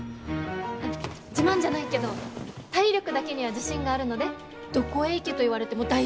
自慢じゃないけど体力だけには自信があるのでどこへ行けと言われても大丈夫です。